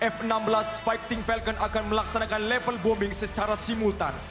f enam belas fighting falcon akan melaksanakan level bombing secara simultan